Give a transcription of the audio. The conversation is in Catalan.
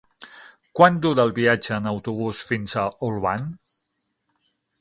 Quant dura el viatge en autobús fins a Olvan?